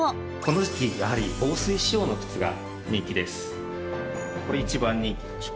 この時季やはり防水仕様の靴が人気です。